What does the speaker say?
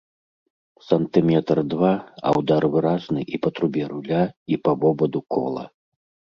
Сантыметр-два, а ўдар выразны і па трубе руля, і па вобаду кола.